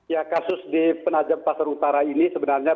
ya kasus di penajam pasar utara ini sebenarnya